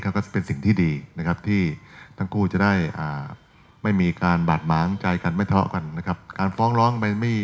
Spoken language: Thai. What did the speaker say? ก็เป็นสิ่งที่ดีนะครับที่ทั้งคู่จะได้ไม่มีการบาดหมาง